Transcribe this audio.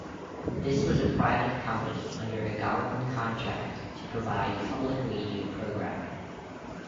This was a private company under a government contract to provide public radio programming.